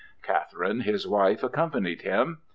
Catherine, his wife, accompanied him.